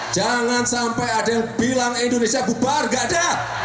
jangan sampai ada yang bilang indonesia bubar gak ada